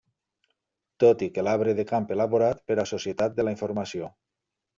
Tot i que l'arbre de camp elaborat per a Societat de la informació.